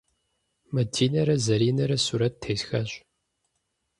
Мадинэрэ Заринэрэ сурэт тесхащ.